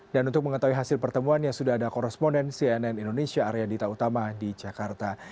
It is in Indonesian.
dan untuk mengetahui hasil pertemuan yang sudah ada korresponden cnn indonesia arya dita utama di jakarta